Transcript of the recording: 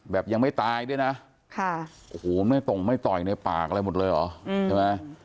แบบยังไม่ตายด้วยนะค่ะโอ้โหไม่ต่ออีกในปากอะไรหมดเลยเหรออืมใช่ไหม